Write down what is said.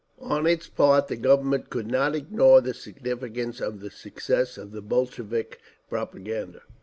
On its part the Government could not ignore the significance of the success of the Bolshevik propaganda.